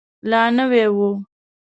لا نوی و.